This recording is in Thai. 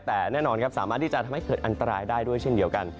แต่แน่นอนครับสามารถที่จะทำให้เกิดอันตรายได้ด้วยเช่นเดียวกัน